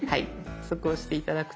そこ押して頂くと。